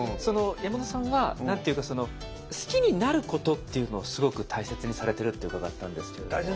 山田さんは何て言うかその好きになることっていうのをすごく大切にされてるって伺ったんですけれども。